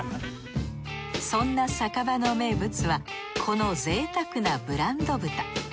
そんな酒場の名物はこのぜいたくなブランド豚。